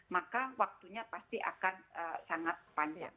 maka waktunya pasti akan sangat panjang